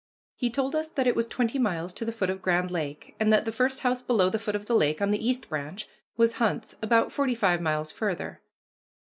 He told us that it was twenty miles to the foot of Grand Lake, and that the first house below the foot of the lake, on the East Branch, was Hunt's, about forty five miles farther.